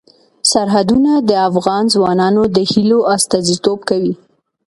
سرحدونه د افغان ځوانانو د هیلو استازیتوب کوي.